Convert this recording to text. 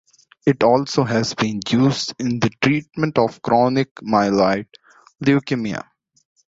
It also has been used in the treatment of chronic myeloid leukemia.